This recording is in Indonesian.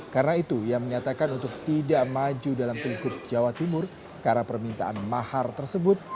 karena itu ia menyatakan untuk tidak maju dalam pilkup jawa timur karena permintaan mahar tersebut